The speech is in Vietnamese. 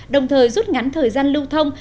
đồng thời rút ngắn thời gian lưu thông